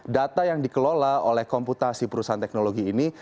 data yang dikelola oleh komputasi perusahaan teknologi ini